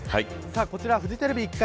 こちらフジテレビ１階